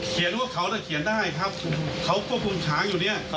เขียนว่าเขาจะเขียนได้ครับเขาควบคุมทางอยู่เนี่ย